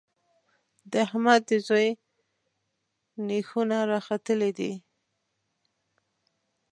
د احمد د زوی نېښونه راختلي دي.